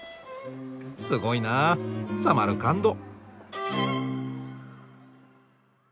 すごいなサマルカンド。